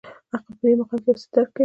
عقل په دې مقام کې یو څه درک کوي.